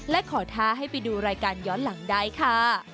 และขอท้าให้ไปดูรายการย้อนหลังได้ค่ะ